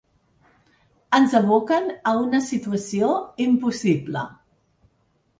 Ens aboquen a una situació impossible.